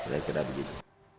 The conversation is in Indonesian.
saya kira begitu